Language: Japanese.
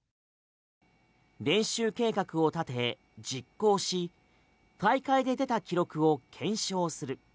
練習計画を立て、実行し大会で出た記録を検証する。